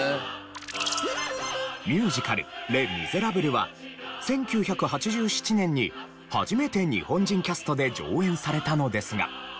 ミュージカル『レ・ミゼラブル』は１９８７年に初めて日本人キャストで上演されたのですが。